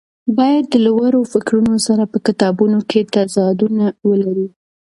باید د لوړو فکرونو سره په کتابونو کې تضادونه ولري.